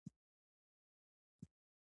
د لرې پښتونخوا نومیالی لیکوال او شاعر